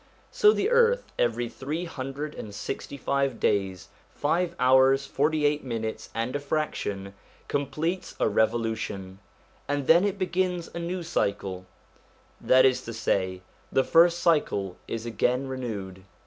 So the earth, every three hundred and sixty five days, five hours, forty eight minutes and a fraction, completes a revolu tion ; and then it begins a new cycle, that is to say, the first cycle is again renewed.